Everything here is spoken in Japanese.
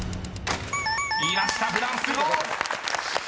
［いました「フランス語」！］